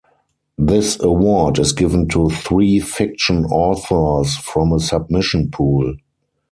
This award is given to three fiction authors from a submission pool.